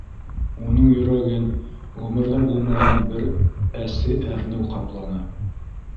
Уның йөрәген ғүмерҙә булмаған бер әсе әрнеү ҡапланы.